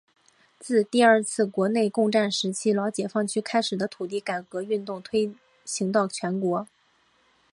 自第二次国共内战时期老解放区开始的土地改革运动推行到全国。